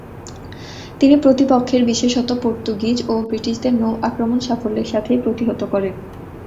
তিনি প্রতিপক্ষের, বিশেষত পর্তুগিজ ও ব্রিটিশদের নৌ-আক্রমণ সাফল্যের সাথেই প্রতিহত করেন।